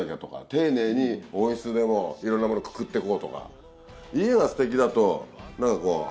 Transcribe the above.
丁寧に温室でもいろんなものくくっていこうとか。